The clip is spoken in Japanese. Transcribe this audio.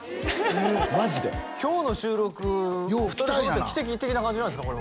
えっマジで今日の収録２人にとって奇跡的な感じなんですか？